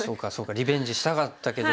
リベンジしたかったけど。